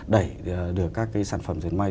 đẩy được các cái sản phẩm diệt may